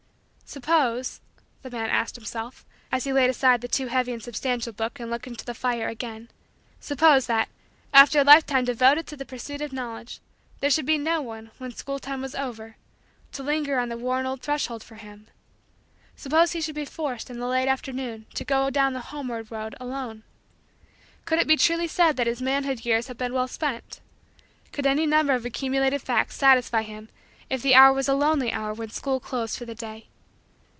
Suppose the man asked himself, as he laid aside the too heavy and substantial book and looked into the fire again suppose, that, after a lifetime devoted to the pursuit of Knowledge, there should be no one, when school time was over, to linger on the worn old threshold for him? Suppose he should be forced, in the late afternoon, to go down the homeward road alone? Could it be truly said that his manhood years had been well spent? Could any number of accumulated facts satisfy him if the hour was a lonely hour when school closed for the day?